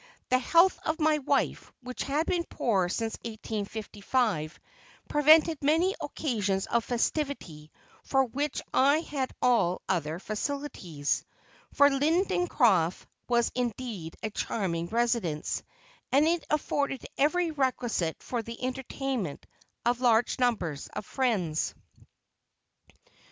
The health of my wife, which had been poor since 1855, prevented many occasions of festivity for which I had all other facilities; for Lindencroft was indeed a charming residence, and it afforded every requisite for the entertainment of large numbers of friends.